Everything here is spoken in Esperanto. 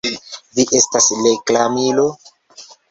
Vi estas reklamilo!?